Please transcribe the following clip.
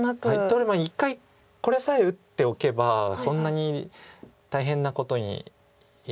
取る前に一回これさえ打っておけばそんなに大変なことにはならなかった。